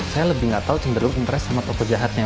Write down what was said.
saya lebih gak tau cenderung interes sama toko jahatnya